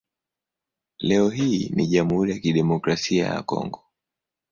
Leo hii ni Jamhuri ya Kidemokrasia ya Kongo.